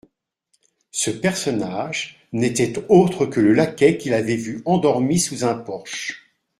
Ce personnage n'était autre que le laquais qu'il avait vu endormi sous un porche.